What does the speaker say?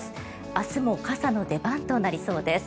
明日も傘の出番となりそうです。